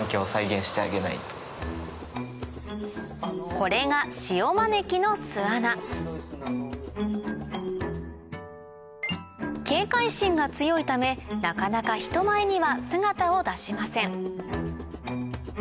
これがシオマネキの巣穴警戒心が強いためなかなか人前には姿を出しません